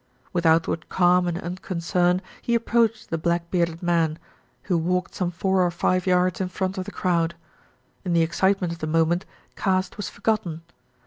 With outward calm and unconcern, he approached the black bearded man, who walked some four or five yards in front of the crowd. In the excitement of the moment caste was forgotten.